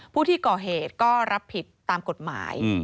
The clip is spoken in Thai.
ผู้ที่ก่อเหตุก็รับผิดตามกฎหมาย